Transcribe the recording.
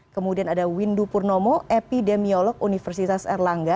kemudian ada windu purnomo epidemiolog universitas erlangga